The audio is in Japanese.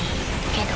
けど。